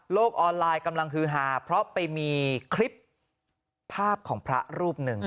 ออนไลน์กำลังฮือฮาเพราะไปมีคลิปภาพของพระรูปหนึ่ง